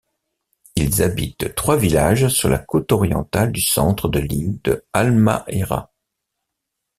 Ils habitent trois villages sur la côte orientale du centre de l'île de Halmahera.